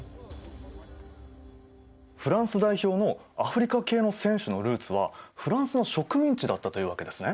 フランス代表のアフリカ系の選手のルーツはフランスの植民地だったというわけですね。